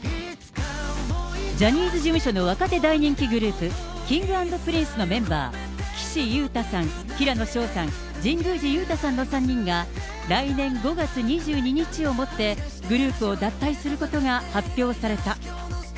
ジャニーズ事務所の若手大人気グループ、Ｋｉｎｇ＆Ｐｒｉｎｃｅのメンバー、岸優太さん、平野紫耀さん、神宮寺勇太さんの３人が、来年５月２２日をもって、グループを脱退することが発表された。